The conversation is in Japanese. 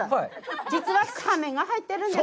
実はサメが入ってるんです。